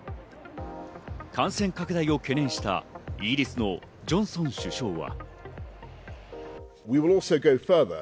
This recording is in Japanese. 感染拡大を懸念したイギリスのジョンソン首相は。